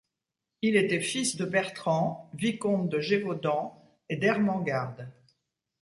Il était fils de Bertrand, vicomte de Gévaudan, et d'Ermengarde.